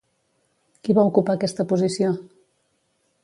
Qui va ocupar aquesta posició?